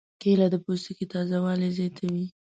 کېله د پوستکي تازه والی زیاتوي.